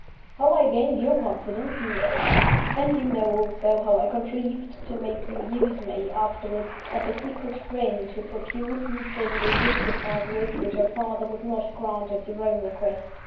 "How I gained your confidence, you know; and you know also, how I contrived to make you use me, afterwards, as the secret friend who procured you privileges with Margaret which her father would not grant at your own request.